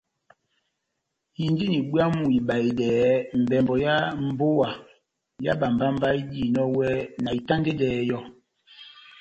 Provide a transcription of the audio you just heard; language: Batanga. Indini bwámu ibahedɛ mbɛmbɔ yá mbówa yá bámbámbá idihinɔni iwɛ na itandedɛ yɔ́.